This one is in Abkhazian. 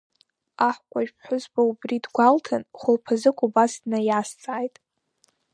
Аҳкәажә ԥҳәызба убри дгәалҭан, хәылԥазык убас днаиазҵааит…